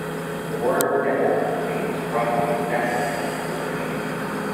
The word "knipl" means roughly "nest egg" in Yiddish.